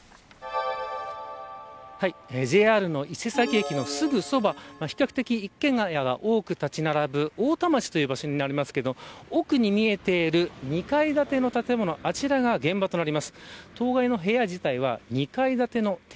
ＪＲの伊勢崎駅のすぐそば比較的一軒家が多く立ち並ぶ場所になりますけど奥に見えている２階建ての建物あちらが現場となります。